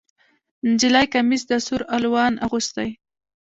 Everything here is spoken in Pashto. نجلۍ کمیس د سور الوان اغوستی